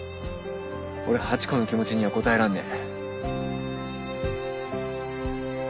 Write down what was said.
俺ハチ子の気持ちには応えらんねえ。